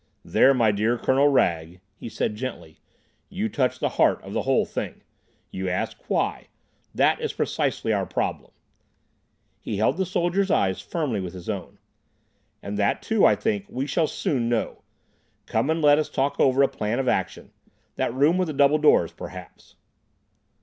"There, my dear Colonel Wragge," he said gently, "you touch the heart of the whole thing. You ask 'Why.' That is precisely our problem." He held the soldier's eyes firmly with his own. "And that, too, I think, we shall soon know. Come and let us talk over a plan of action—that room with the double doors, perhaps."